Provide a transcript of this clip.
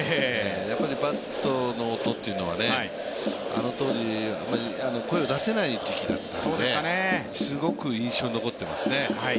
やっぱりバットの音というのはあの当時、声を出せない時期だったので、すごく印象に残ってますね。